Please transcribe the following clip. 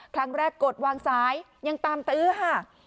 ครั้งแรกกดวางซ้ายยังตามตื้อค่ะ